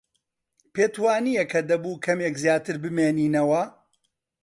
پێت وانییە کە دەبوو کەمێک زیاتر بمێنینەوە؟